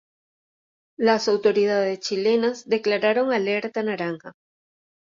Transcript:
Las autoridades chilenas declararon alerta naranja.